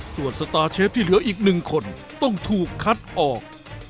ส่วนสตาร์เชฟที่เหลืออีก๑คนต้องถูกคัดออก